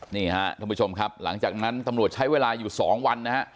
นี่ฮะท่านผู้ชมครับหลังจากนั้นตำรวจใช้เวลาอยู่๒วันนะฮะ